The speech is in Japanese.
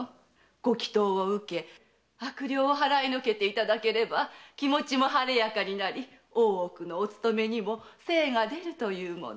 ご祈を受け悪霊を祓いのけていただければ気持ちも晴れやかになり大奥のお勤めにも精が出るというもの。